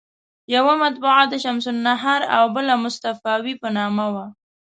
یوه مطبعه د شمس النهار او بله مصطفاوي په نامه وه.